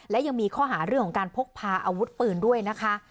และยังมีข้อหาเรื่องของการพกพาอาวุธปืนด้วยนะคะ